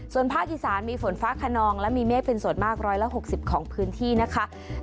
ส่วนภาคอีสานมีฝนฟ้าขนองและมีเมฆเป็นส่วนมาก๑๖๐ของพื้นที่นะคะ